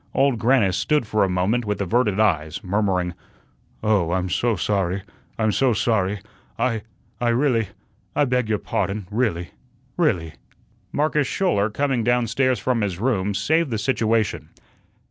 Old Grannis stood for a moment with averted eyes, murmuring: "Oh, I'm so sorry, I'm so sorry. I I really I beg your pardon, really really." Marcus Schouler, coming down stairs from his room, saved the situation.